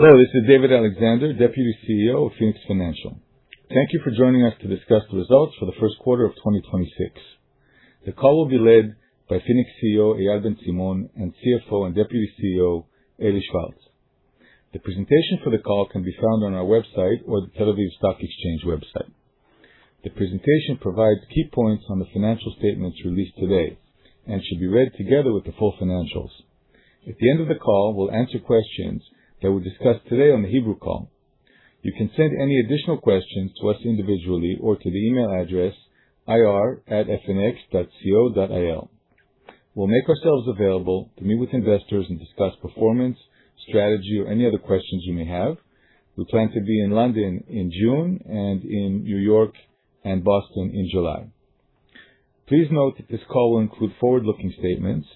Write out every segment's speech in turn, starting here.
Hello, this is David Alexander, Deputy CEO of Phoenix Financial. Thank you for joining us to discuss the results for the first quarter of 2026. The call will be led by Phoenix CEO, Eyal Ben-Simon, and CFO and Deputy CEO, Eli Schwartz. The presentation for the call can be found on our website or the Tel Aviv Stock Exchange website. The presentation provides key points on the financial statements released today and should be read together with the full financials. At the end of the call, we'll answer questions that were discussed today on the Hebrew call. You can send any additional questions to us individually or to the email address, ir@fnx.co.il. We'll make ourselves available to meet with investors and discuss performance, strategy, or any other questions you may have. We plan to be in London in June and in New York and Boston in July. Please note that this call will include forward-looking statements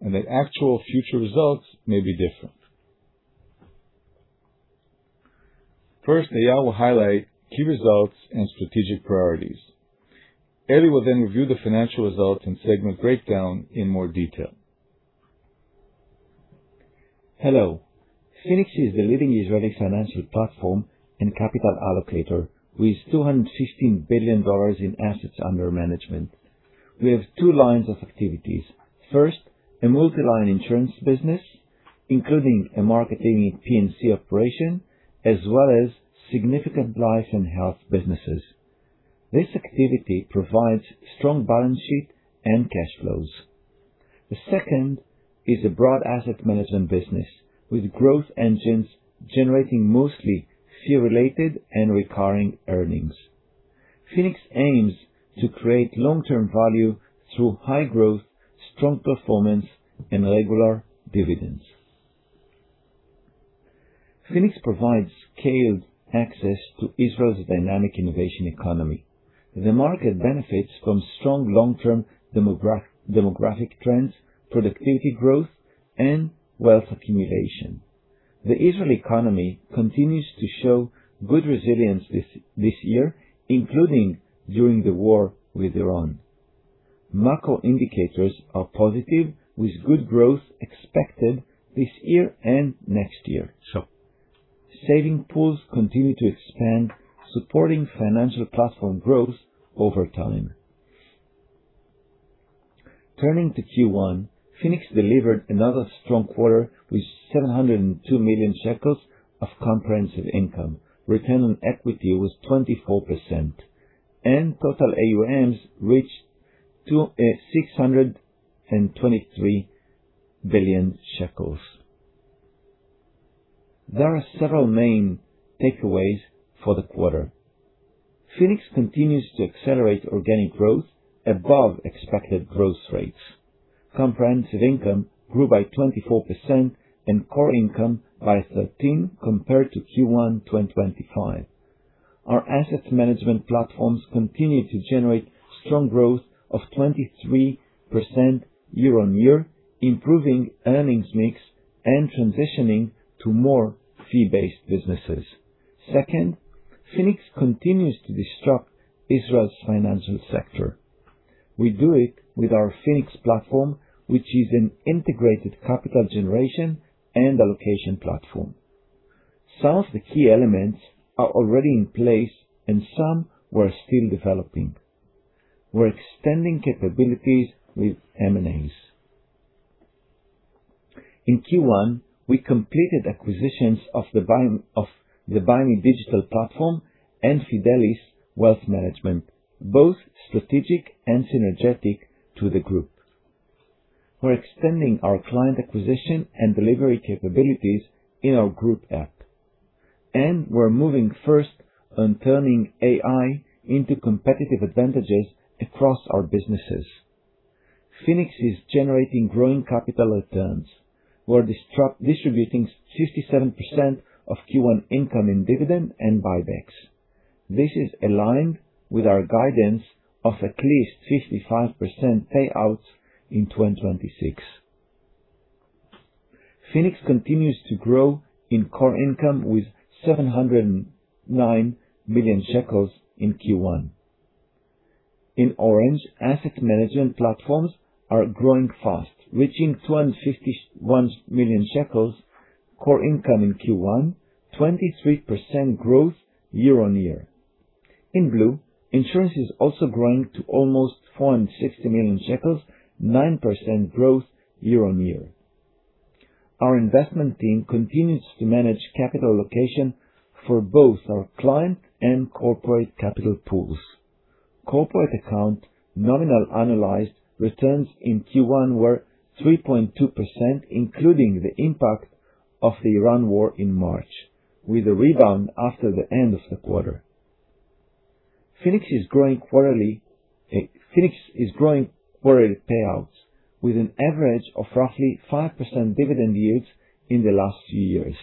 and that actual future results may be different. Eyal will highlight key results and strategic priorities. Eli will review the financial results and segment breakdown in more detail. Hello. Phoenix is the leading Israeli financial platform and capital allocator with $216 billion in assets under management. We have two lines of activities. A multi-line insurance business, including a market-leading P&C operation, as well as significant life and health businesses. This activity provides strong balance sheet and cash flows. The second is a broad asset management business with growth engines generating mostly fee-related and recurring earnings. Phoenix aims to create long-term value through high growth, strong performance, and regular dividends. Phoenix provides scaled access to Israel's dynamic innovation economy. The market benefits from strong long-term demographic trends, productivity growth, and wealth accumulation. The Israel economy continues to show good resilience this year, including during the war with Iran. Macro indicators are positive, with good growth expected this year and next year. Saving pools continue to expand, supporting financial platform growth over time. Turning to Q1, Phoenix delivered another strong quarter with 702 million shekels of comprehensive income. Return on equity was 24%, and total AUMs reached ILS 623 billion. There are several main takeaways for the quarter. Phoenix continues to accelerate organic growth above expected growth rates. Comprehensive income grew by 24% and core income by 13% compared to Q1 2025. Our asset management platforms continue to generate strong growth of 23% year-on-year, improving earnings mix and transitioning to more fee-based businesses. Phoenix continues to disrupt Israel's financial sector. We do it with our Phoenix platform, which is an integrated capital generation and allocation platform. Some of the key elements are already in place and some we're still developing. We're extending capabilities with M&As. In Q1, we completed acquisitions of the BuyMe digital platform and Fidelis Wealth Management, both strategic and synergetic to the group. We're extending our client acquisition and delivery capabilities in our group app. We're moving first on turning AI into competitive advantages across our businesses. Phoenix is generating growing capital returns. We're distributing 67% of Q1 income in dividend and buybacks. This is aligned with our guidance of at least 55% payouts in 2026. Phoenix continues to grow in core income with 709 million shekels in Q1. In orange, asset management platforms are growing fast, reaching 251 million shekels core income in Q1, 23% growth year-over-year. In blue, insurance is also growing to almost 460 million shekels, 9% growth year-over-year. Our investment team continues to manage capital allocation for both our client and corporate capital pools. Corporate account nominal annualized returns in Q1 were 3.2%, including the impact of the Iran war in March, with a rebound after the end of the quarter. Phoenix is growing quarterly payouts with an average of roughly 5% dividend yields in the last few years.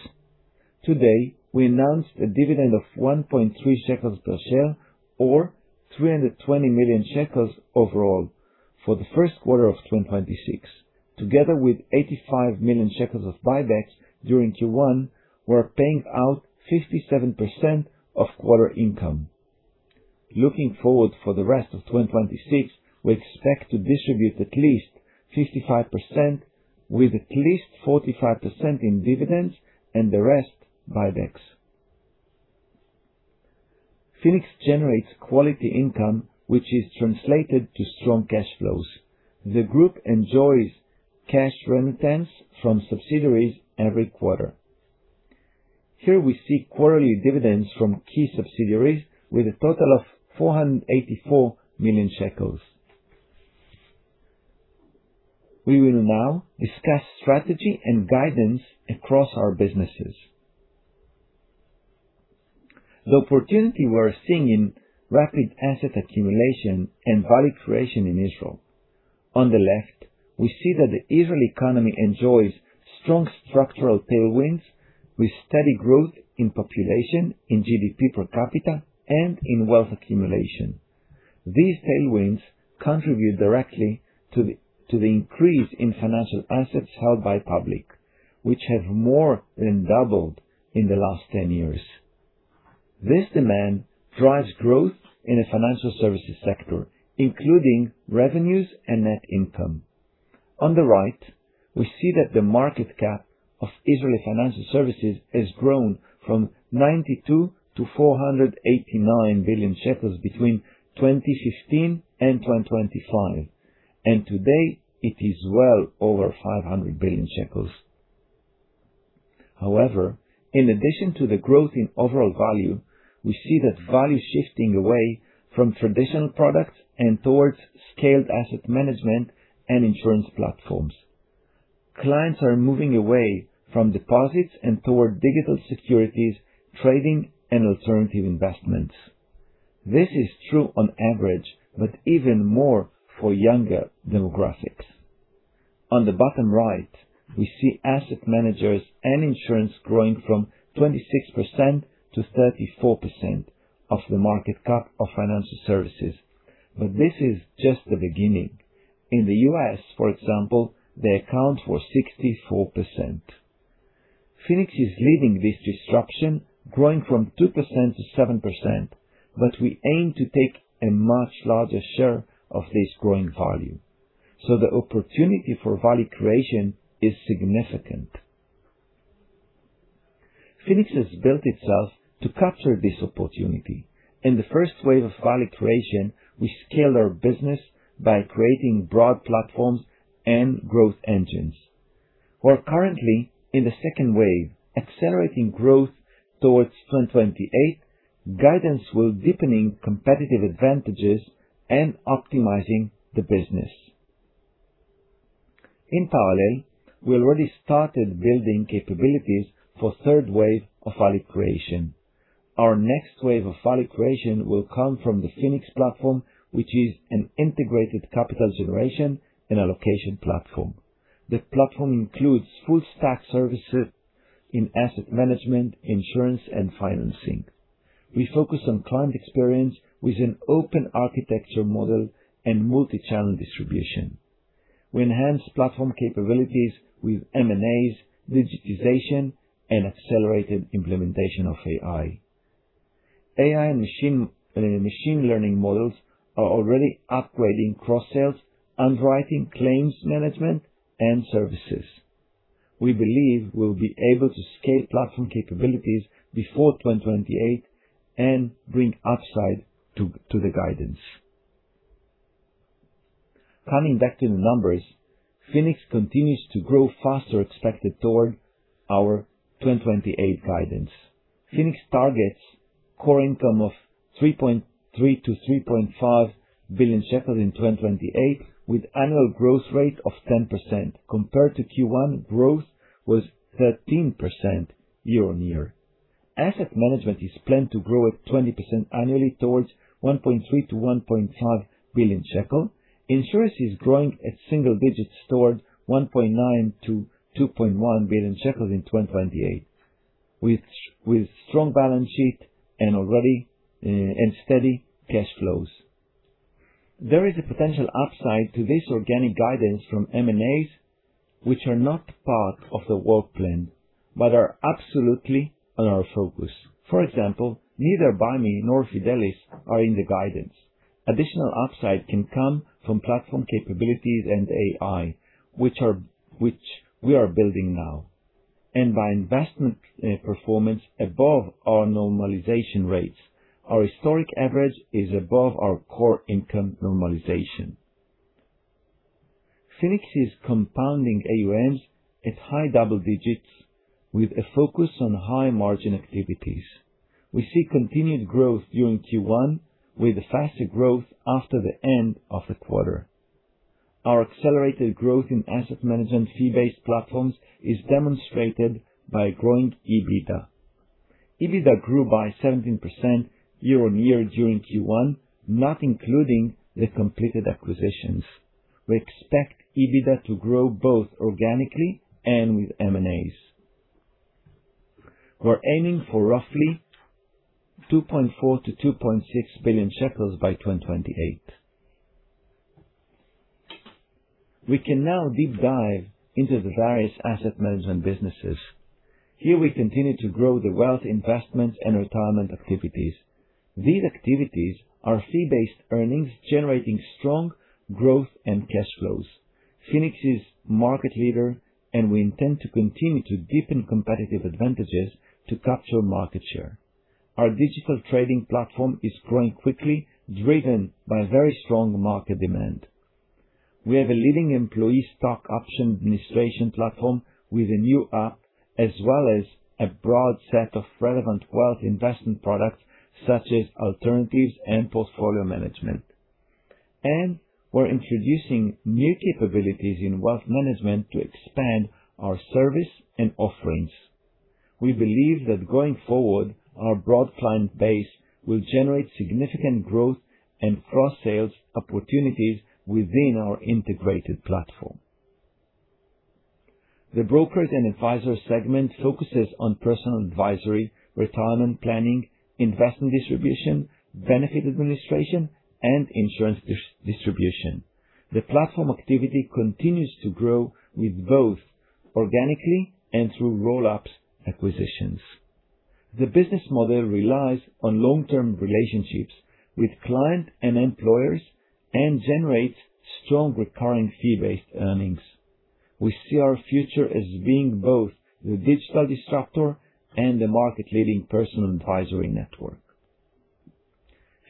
Today, we announced a dividend of 1.3 shekels per share or 320 million shekels overall for the first quarter of 2026. Together with 85 million shekels of buybacks during Q1, we're paying out 57% of quarter income. Looking forward for the rest of 2026, we expect to distribute at least 55%, with at least 45% in dividends and the rest buybacks. Phoenix generates quality income, which is translated to strong cash flows. The group enjoys cash remittance from subsidiaries every quarter. Here we see quarterly dividends from key subsidiaries with a total of 484 million shekels. We will now discuss strategy and guidance across our businesses. The opportunity we're seeing in rapid asset accumulation and value creation in Israel. On the left, we see that the Israel economy enjoys strong structural tailwinds with steady growth in population, in GDP per capita, and in wealth accumulation. These tailwinds contribute directly to the increase in financial assets held by public, which have more than doubled in the last 10 years. This demand drives growth in the financial services sector, including revenues and net income. On the right, we see that the market cap of Israeli financial services has grown from 92 billion-489 billion shekels between 2015 and 2025, and today it is well over ILS 500 billion. In addition to the growth in overall value, we see that value shifting away from traditional products and towards scaled asset management and insurance platforms. Clients are moving away from deposits and toward digital securities, trading, and alternative investments. This is true on average, but even more for younger demographics. On the bottom right, we see asset managers and insurance growing from 26% to 34% of the market cap of financial services. This is just the beginning. In the U.S., for example, they account for 64%. Phoenix is leading this disruption, growing from 2% to 7%. We aim to take a much larger share of this growing value. The opportunity for value creation is significant. Phoenix has built itself to capture this opportunity. In the first wave of value creation, we scale our business by creating broad platforms and growth engines. We are currently in the second wave, accelerating growth towards 2028 guidance while deepening competitive advantages and optimizing the business. In parallel, we already started building capabilities for third wave of value creation. Our next wave of value creation will come from the Phoenix platform, which is an integrated capital generation and allocation platform. The platform includes full stack services in asset management, insurance, and financing. We focus on client experience with an open architecture model and multichannel distribution. We enhance platform capabilities with M&As, digitization, and accelerated implementation of AI. AI and machine learning models are already upgrading cross sales, underwriting claims management, and services. We believe we'll be able to scale platform capabilities before 2028 and bring upside to the guidance. Coming back to the numbers, Phoenix continues to grow faster expected toward our 2028 guidance. Phoenix targets core income of 3.3 billion-3.5 billion shekels in 2028, with annual growth rate of 10%. Compared to Q1, growth was 13% year-on-year. Asset management is planned to grow at 20% annually towards 1.3 billion-1.5 billion shekel. Insurance is growing at single digits towards 1.9 billion-2.1 billion shekels in 2028, with strong balance sheet and steady cash flows. There is a potential upside to this organic guidance from M&As, which are not part of the work plan, but are absolutely on our focus. For example, neither BuyMe nor Fidelis are in the guidance. Additional upside can come from platform capabilities and AI, which we are building now, and by investment performance above our normalization rates. Our historic average is above our core income normalization. Phoenix is compounding AUMs at high double digits with a focus on high-margin activities. We see continued growth during Q1 with faster growth after the end of the quarter. Our accelerated growth in asset management fee-based platforms is demonstrated by growing EBITDA. EBITDA grew by 17% year-on-year during Q1, not including the completed acquisitions. We expect EBITDA to grow both organically and with M&As. We're aiming for roughly 2.4 billion-2.6 billion shekels by 2028. We can now deep dive into the various asset management businesses. Here we continue to grow the wealth investments and retirement activities. These activities are fee-based earnings generating strong growth and cash flows. Phoenix is market leader, and we intend to continue to deepen competitive advantages to capture market share. Our digital trading platform is growing quickly, driven by very strong market demand. We have a leading employee stock option administration platform with a new app, as well as a broad set of relevant wealth investment products such as alternatives and portfolio management. We're introducing new capabilities in wealth management to expand our service and offerings. We believe that going forward, our broad client base will generate significant growth and cross-sales opportunities within our integrated platform. The brokers and advisors segment focuses on personal advisory, retirement planning, investment distribution, benefit administration, and insurance distribution. The platform activity continues to grow both organically and through roll-ups acquisitions. The business model relies on long-term relationships with clients and employers and generates strong recurring fee-based earnings. We see our future as being both the digital disruptor and the market leading personal advisory network.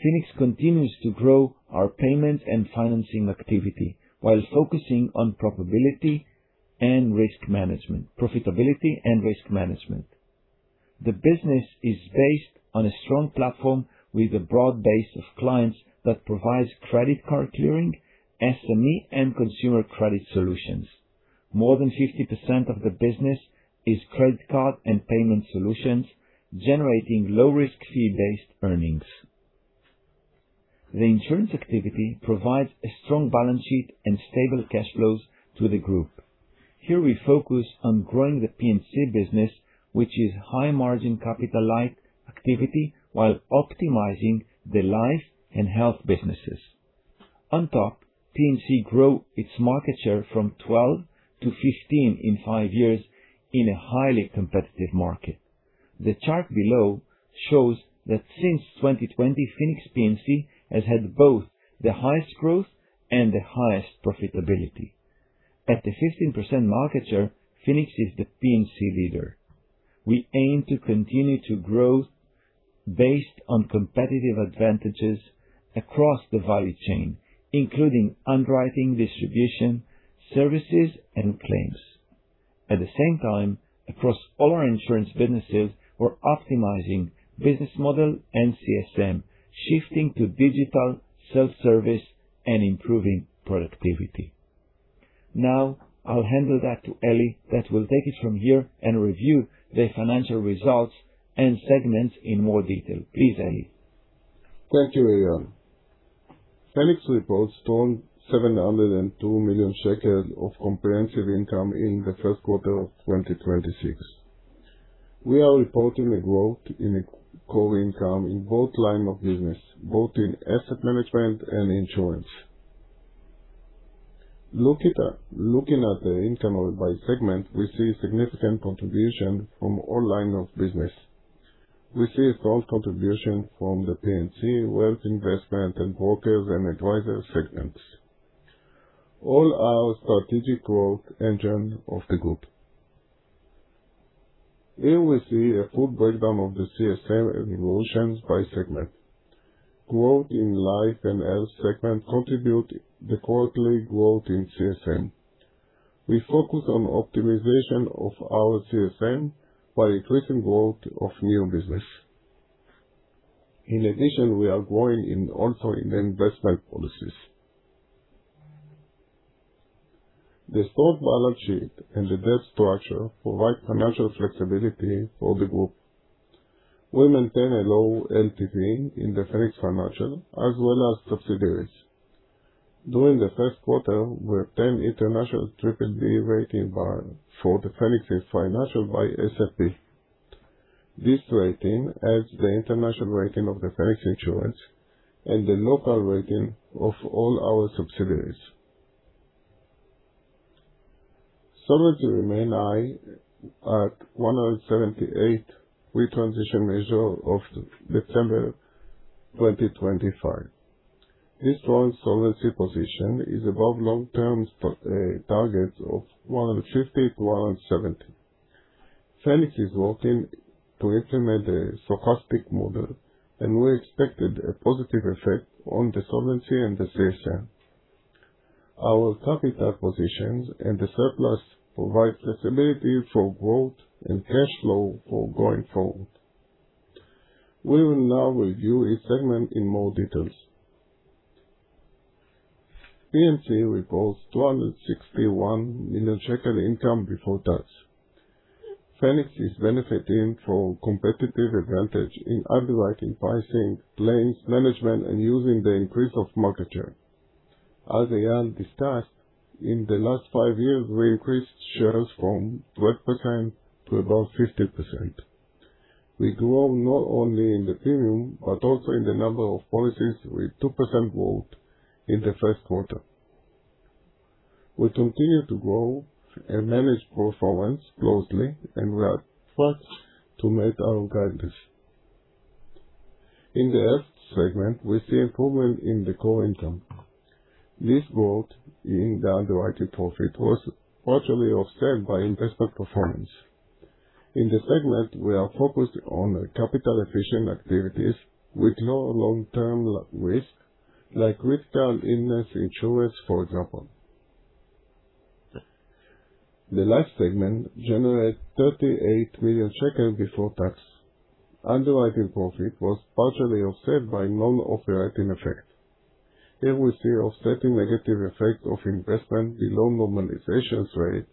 Phoenix continues to grow our payment and financing activity while focusing on profitability and risk management. The business is based on a strong platform with a broad base of clients that provides credit card clearing, SME, and consumer credit solutions. More than 50% of the business is credit card and payment solutions, generating low-risk fee-based earnings. The insurance activity provides a strong balance sheet and stable cash flows to the group. Here we focus on growing the P&C business, which is high-margin capital-light activity, while optimizing the life and health businesses. On top, P&C grow its market share from 12% to 15% in five years in a highly competitive market. The chart below shows that since 2020, Phoenix P&C has had both the highest growth and the highest profitability. At the 15% market share, Phoenix is the P&C leader. We aim to continue to grow based on competitive advantages across the value chain, including underwriting, distribution, services, and claims. At the same time, across all our insurance businesses, we're optimizing business model and CSM, shifting to digital self-service and improving productivity. I'll handle that to Eli that will take it from here and review the financial results and segments in more detail. Please, Eli. Thank you, Eyal. Phoenix reports strong 702 million shekels of comprehensive income in the first quarter of 2026. We are reporting a growth in core income in both line of business, both in asset management and insurance. Looking at the income by segment, we see significant contribution from all line of business. We see a strong contribution from the P&C, wealth investment, and brokers and advisors segments. All our strategic growth engines of the group. Here we see a full breakdown of the CSM evolutions by segment. Growth in life and health segment contribute the quarterly growth in CSM. We focus on optimization of our CSM by increasing growth of new business. In addition, we are growing in also investment policies. The strong balance sheet and the debt structure provide financial flexibility for the group. We maintain a low LTV in the Phoenix Financial as well as subsidiaries. During the first quarter, we obtained international BBB rating for the Phoenix Financial by S&P. This rating adds the international rating of the Phoenix Insurance and the local rating of all our subsidiaries. Solvency remain high at 178% with transition measure of December 2025. This strong solvency position is above long-term targets of 150%-170%. Phoenix is working to implement a stochastic model, and we expected a positive effect on the solvency and the CSM. Our capital positions and the surplus provide flexibility for growth and cash flow for going forward. We will now review each segment in more details. P&C reports 261 million shekel income before tax. Phoenix is benefiting from competitive advantage in underwriting, pricing, claims management, and using the increase of market share. As Eyal discussed, in the last five years, we increased shares from 12% to about 15%. We grow not only in the premium, but also in the number of policies with 2% growth in the first quarter. We continue to grow and manage performance closely, and we are on track to meet our guidelines. In the health segment, we see improvement in the core income. This growth in the underwriting profit was partially offset by investment performance. In this segment, we are focused on capital-efficient activities with low long-term risk, like retail illness insurance, for example. The life segment generated 38 million shekels before tax. Underwriting profit was partially offset by non-operating effects. Here we see offsetting negative effects of investment below normalization rate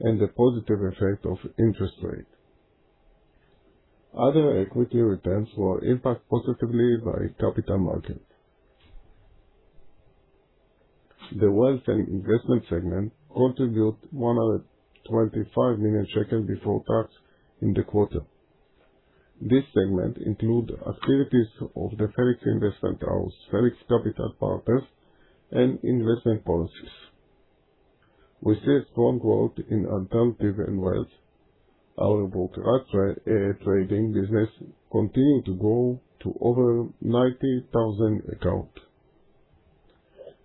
and the positive effect of interest rate. Other equity returns were impacted positively by capital markets. The wealth and investment segment contributed 125 million shekels before tax in the quarter. This segment includes activities of the Phoenix Investment House, Phoenix Capital Partners, and investment policies. We see strong growth in alternative and wealth. Our brokerage trading business continued to grow to over 90,000 accounts.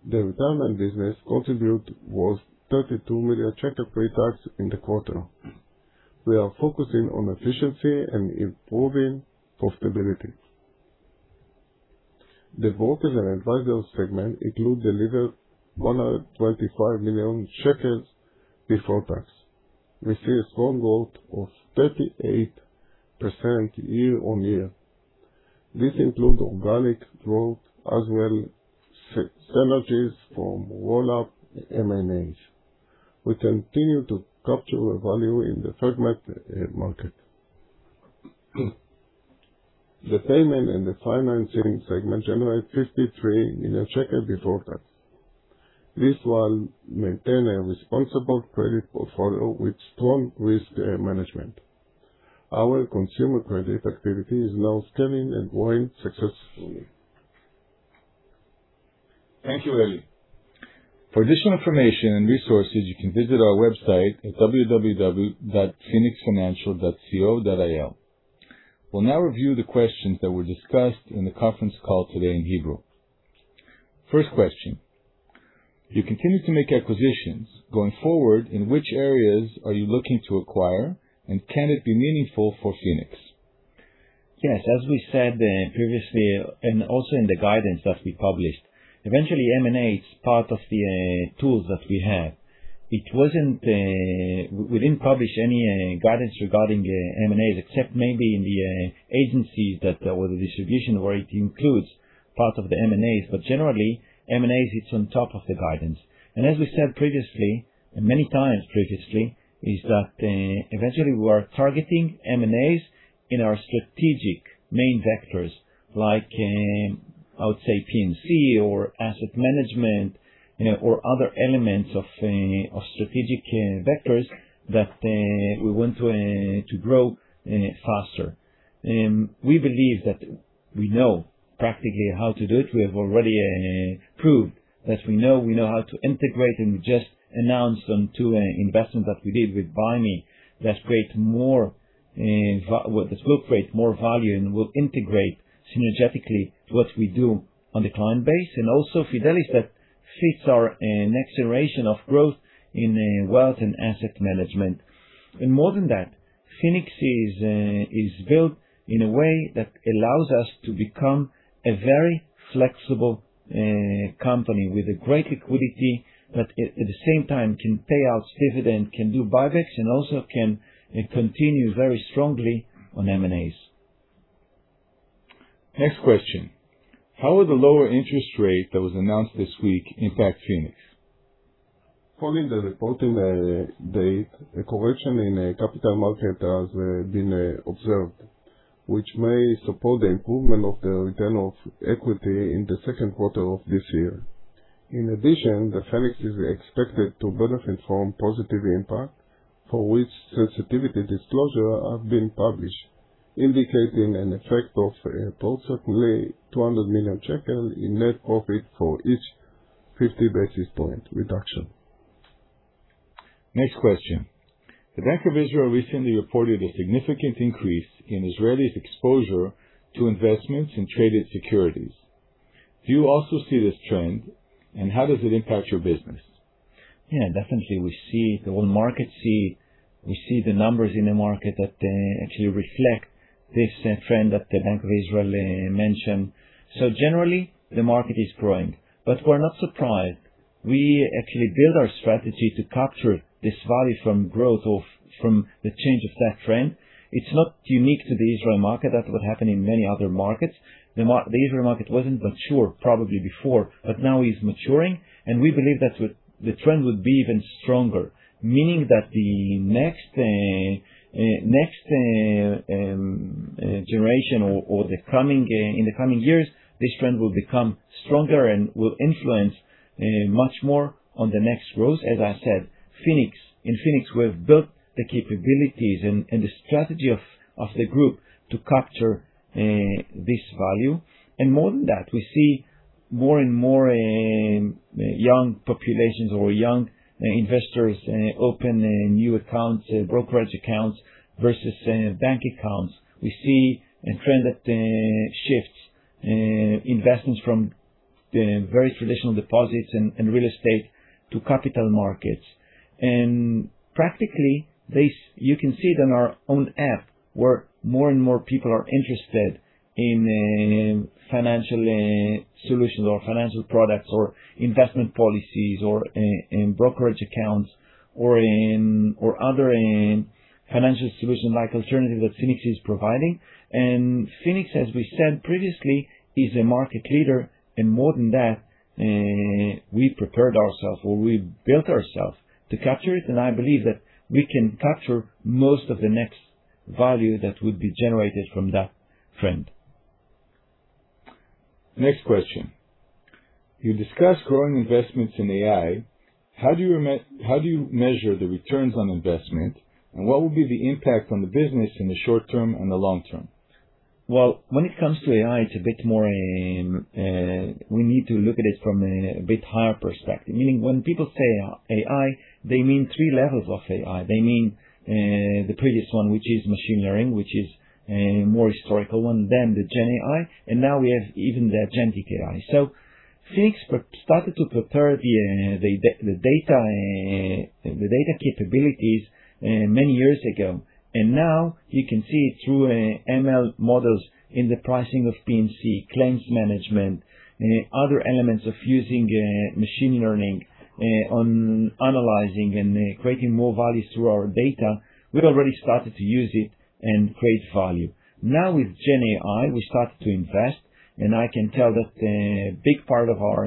The retirement business contribution was 32 million pre-tax in the quarter. We are focusing on efficiency and improving profitability. The brokers and advisors segment delivered 125 million shekels before tax. We see a strong growth of 38% year-on-year. This includes organic growth as well synergies from roll-up M&As. We continue to capture value in the fragment market. The payment and the financing segment generated 53 million before tax. This while maintaining a responsible credit portfolio with strong risk management. Our consumer credit activity is now scaling and growing successfully. Thank you, Eli. For additional information and resources, you can visit our website at www.phoenixfinancial.co.il. We'll now review the questions that were discussed in the conference call today in Hebrew. First question: You continue to make acquisitions. Going forward, in which areas are you looking to acquire, and can it be meaningful for Phoenix? As we said previously, and also in the guidance that we published, eventually M&A is part of the tools that we have. We didn't publish any guidance regarding M&A, except maybe in the agencies or the distribution, where it includes part of the M&A. Generally, M&A sits on top of the guidance. As we said previously, many times previously, is that eventually we are targeting M&As in our strategic main vectors, like, I would say, P&C or asset management, or other elements of strategic vectors that we want to grow faster. We believe that we know practically how to do it. We have already proved that we know how to integrate, and we just announced on two investments that we did with BuyMe that will create more value and will integrate synergetically what we do on the client base, and also Fidelis, that fits our acceleration of growth in wealth and asset management. More than that, Phoenix is built in a way that allows us to become a very flexible company with great liquidity, but at the same time can pay out dividends, can do buybacks, and also can continue very strongly on M&As. Next question. How will the lower interest rate that was announced this week impact Phoenix? Following the reporting date, a correction in capital market has been observed, which may support the improvement of the return on equity in the second quarter of this year. In addition, Phoenix is expected to benefit from positive impact, for which sensitivity disclosures have been published, indicating an effect of approximately 200 million shekel in net profit for each 50 basis point reduction. Next question. The Bank of Israel recently reported a significant increase in Israelis' exposure to investments in traded securities. Do you also see this trend, and how does it impact your business? Yeah, definitely we see the whole market. We see the numbers in the market that actually reflect this trend that the Bank of Israel mentioned. Generally, the market is growing, but we're not surprised. We actually build our strategy to capture this value from growth of the change of that trend. It's not unique to the Israel market. That would happen in many other markets. The Israel market wasn't mature probably before, but now it's maturing, and we believe that the trend would be even stronger, meaning that the next generation or in the coming years, this trend will become stronger and will influence much more on the next growth. As I said, in Phoenix, we have built the capabilities and the strategy of the group to capture this value. More than that, we see more and more young populations or young investors open new accounts, brokerage accounts versus bank accounts. We see a trend that shifts investments from very traditional deposits and real estate to capital markets. Practically, you can see it on our own app, where more and more people are interested in financial solutions or financial products or investment policies or in brokerage accounts or other financial solutions like alternatives that Phoenix is providing. Phoenix, as we said previously, is a market leader. More than that, we prepared ourselves, or we built ourselves to capture it, and I believe that we can capture most of the next value that would be generated from that trend. Next question. You discussed growing investments in AI. How do you measure the returns on investment, and what will be the impact on the business in the short term and the long term? Well, when it comes to AI, we need to look at it from a bit higher perspective, meaning when people say AI, they mean 3 levels of AI. They mean the previous one, which is machine learning, which is a more historical one than the Gen AI, and now we have even the agentic AI. Phoenix started to prepare the data capabilities many years ago, and now you can see it through ML models in the pricing of P&C, claims management, other elements of using machine learning on analyzing and creating more value through our data. We've already started to use it and create value. Now with Gen AI, we started to invest, and I can tell that a big part of our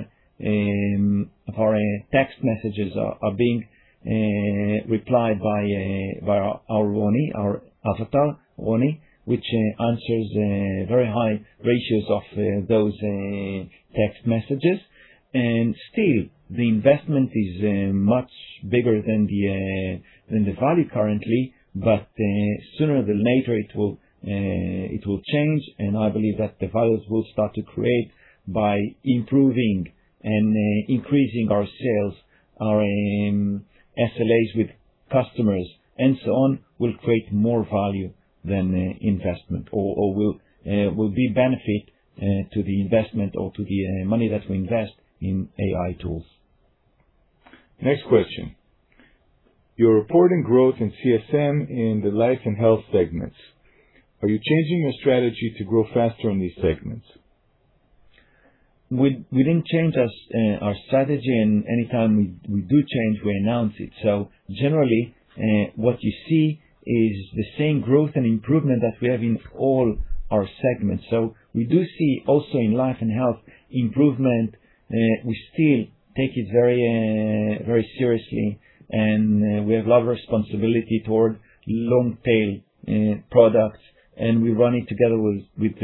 text messages are being replied by our avatar, Roni, which answers very high ratios of those text messages. Still, the investment is much bigger than the value currently, but sooner than later, it will change. I believe that the values we'll start to create by improving and increasing our sales, our SLAs with customers, and so on, will create more value than investment or will be benefit to the investment or to the money that we invest in AI tools. Next question. You're reporting growth in CSM in the life & health segments. Are you changing your strategy to grow faster in these segments? We didn't change our strategy. Anytime we do change, we announce it. Generally, what you see is the same growth and improvement that we have in all our segments. We do see also in life and health improvement. We still take it very seriously, we have a lot of responsibility toward long-tail products, and we run it together with,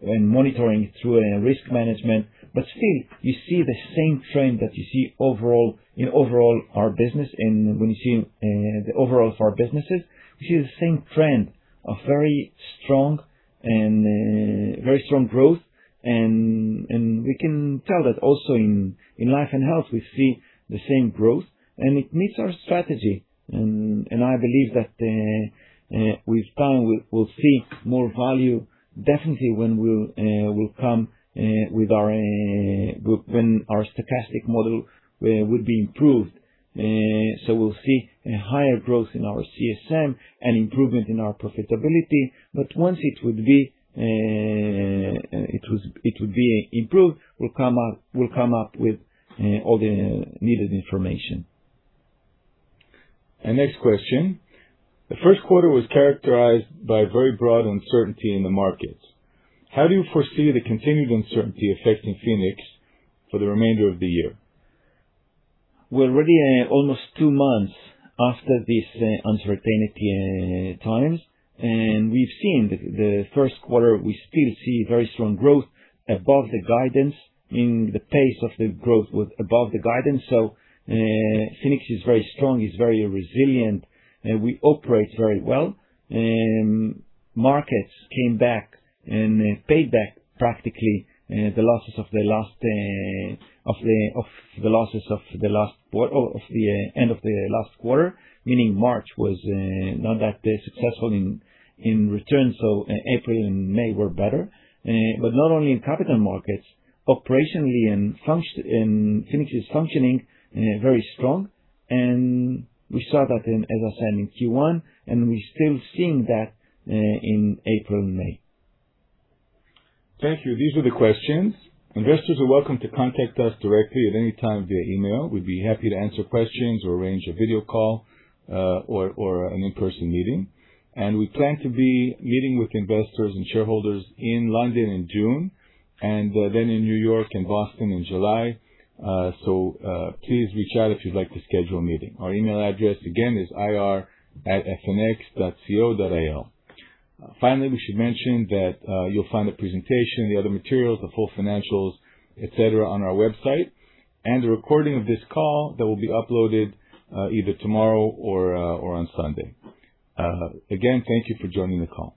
and monitoring through risk management. Still, you see the same trend that you see in overall our business. When you see the overall of our businesses, you see the same trend of very strong growth. We can tell that also in life and health, we see the same growth, and it meets our strategy. I believe that with time, we'll see more value, definitely when our stochastic model will be improved. We'll see higher growth in our CSM and improvement in our profitability. Once it will be improved, we'll come up with all the needed information. Next question. The first quarter was characterized by very broad uncertainty in the markets. How do you foresee the continued uncertainty affecting Phoenix for the remainder of the year? We're already almost two months after this uncertainty times, we've seen the first quarter, we still see very strong growth above the guidance, meaning the pace of the growth was above the guidance. Phoenix is very strong, is very resilient. We operate very well. Markets came back and paid back practically the losses of the end of the last quarter, meaning March was not that successful in return, April and May were better. Not only in capital markets, operationally, Phoenix is functioning very strong, and we saw that, as I said, in Q1, and we're still seeing that in April and May. Thank you. These were the questions. Investors are welcome to contact us directly at any time via email. We'd be happy to answer questions or arrange a video call or an in-person meeting. We plan to be meeting with investors and shareholders in London in June, then in New York and Boston in July. Please reach out if you'd like to schedule a meeting. Our email address again is ir@fnx.co.il. Finally, we should mention that you'll find the presentation, the other materials, the full financials, et cetera, on our website, and a recording of this call that will be uploaded either tomorrow or on Sunday. Again, thank you for joining the call.